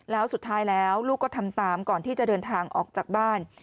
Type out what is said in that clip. แล้วสุดท้ายแล้วลูกก็ทำตามก่อนที่จะเดินทางออกจากบ้าน